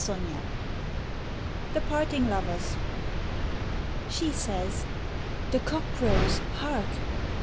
JOHN GAY. THE PARTING LOVERS. She says, "The cock crows, hark!"